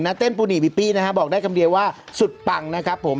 เต้นปูหนีบิปี้นะฮะบอกได้คำเดียวว่าสุดปังนะครับผม